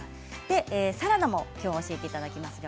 サラダも教えていただきます。